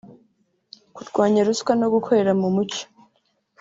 kurwanya ruswa no gukorera mu mucyo